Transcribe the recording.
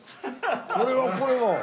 これはこれは！